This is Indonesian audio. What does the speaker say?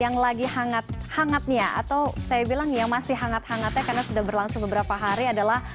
yang lagi hangat hangatnya atau saya bilang yang masih hangat hangatnya karena sudah berlangsung beberapa hari adalah